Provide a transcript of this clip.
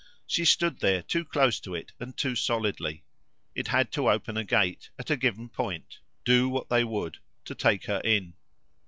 She stood there too close to it and too solidly; it had to open a gate, at a given point, do what they would, to take her in.